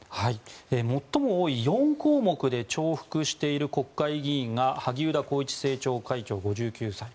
最も多い４項目で重複している国会議員が萩生田光一政調会長、５９歳。